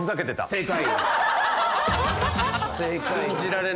正解。